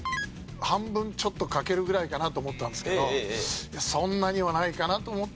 半分ちょっと欠けるぐらいかなと思ったんですけどそんなにはないかなと思って。